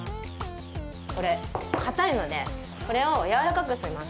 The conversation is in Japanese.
これかたいのでこれをやわらかくします。